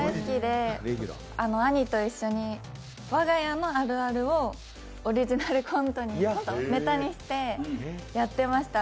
兄と一緒に我が家のあるあるをオリジナルコントにネタにしてやってました、